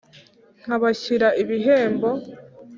nkabashyira ibihembo